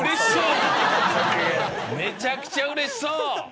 めちゃくちゃうれしそう！